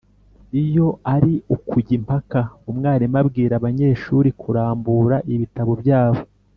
Iyo ari ukujya impaka umwarimu abwira abanyeshuri kurambura ibitabo byabo